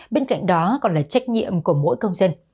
bên cạnh đó còn là trách nhiệm của mỗi công dân